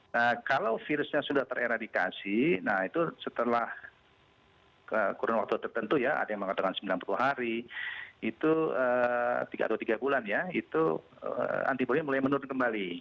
nah kalau virusnya sudah tereradikasi nah itu setelah kurun waktu tertentu ya ada yang mengatakan sembilan puluh hari itu tiga atau tiga bulan ya itu antibody mulai menurun kembali